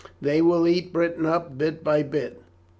They will eat Britain up bit by bit."